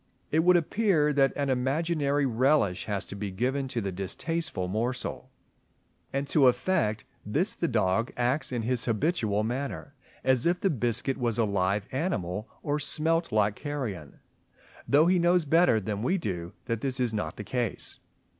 It would appear that an imaginary relish has to be given to the distasteful morsel; and to effect this the dog acts in his habitual manner, as if the biscuit was a live animal or smelt like carrion, though he knows better than we do that this is not the case.